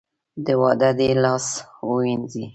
د واده دې لاس ووېنځي .